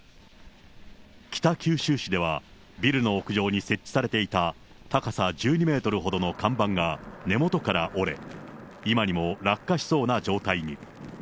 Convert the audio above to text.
北九州市ではビルの屋上に設置されていた、高さ１２メートルほどの看板が根元から折れ、今にも落下しそうな状態に。